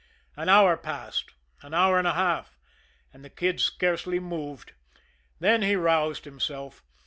An hour passed, an hour and a half, and the Kid scarcely moved then he roused himself.